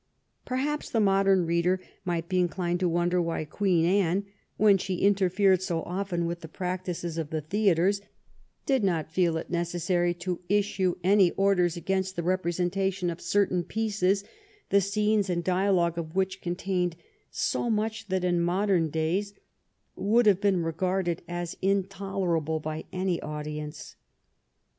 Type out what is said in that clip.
Perhaps the modern reader might be inclined to wonder why Queen Anne, when she interfered so often with the practices of the theatres, did not feel it necessary to issue any orders against the representation of certain pieces, the scenes and dialogue of which contained so much that in modem days would have been regarded as intolerable by any audience.